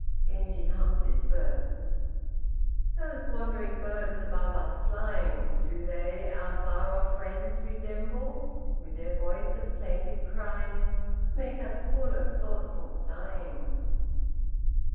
Genji hummed this verse: "Those wandering birds above us flying, Do they our far off friends resemble. With their voice of plaintive crying Make us full of thoughtful sighing."